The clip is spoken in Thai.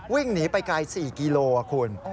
วิ่งหนีไปไกล๔กิโลคุณ